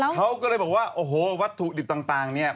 เขาก็เลยบอกว่าวัตถุดิบต่างนี่